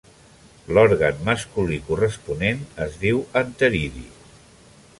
L'òrgan masculí corresponent es diu anteridi.